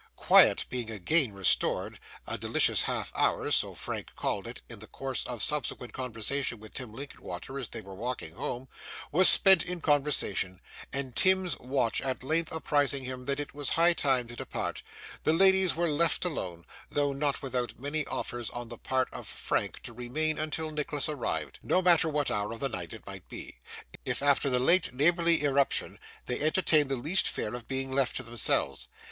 Quiet being again restored, a delicious half hour so Frank called it, in the course of subsequent conversation with Tim Linkinwater as they were walking home was spent in conversation, and Tim's watch at length apprising him that it was high time to depart, the ladies were left alone, though not without many offers on the part of Frank to remain until Nicholas arrived, no matter what hour of the night it might be, if, after the late neighbourly irruption, they entertained the least fear of being left to themselves.